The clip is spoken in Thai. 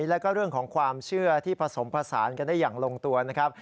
แล้วก็เรื่องของความเชื่อที่ผสมผสานกันได้อย่างลงตัวนะครับ